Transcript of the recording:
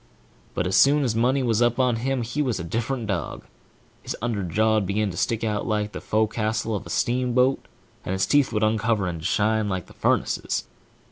But as soon as money was up on him, he was a different dog; his underjaw'd begin to stick out like the fo castle of a steamboat, and his teeth would uncover, and shine savage like the furnaces.